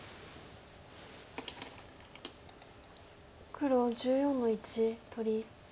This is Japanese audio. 黒１４の一取り。